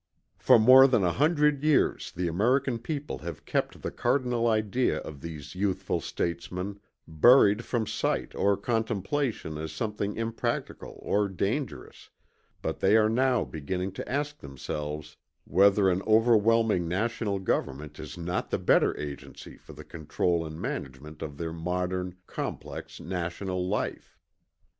For more than 100 years the American people have kept the cardinal idea of these youthful statesmen buried from sight or contemplation as something impractical or dangerous but they are now beginning to ask themselves whether an overwhelming national government is not the better agency for the control and management of their modern, complex, national life.